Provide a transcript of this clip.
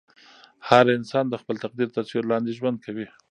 هر انسان د خپل تقدیر تر سیوري لاندې ژوند کوي.